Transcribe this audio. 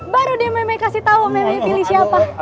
baru deh memi kasih tau memi pilih siapa